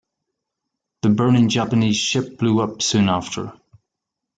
The burning Japanese ship blew up soon after.